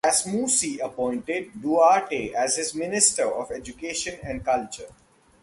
Wasmosy appointed Duarte as his Minister of Education and Culture.